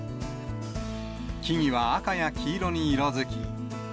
木々は赤や黄色に色づき。